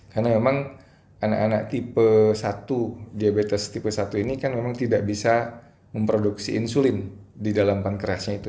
karena memang anak anak tipe satu diabetes tipe satu ini kan memang tidak bisa memproduksi insulin di dalam pankreasnya itu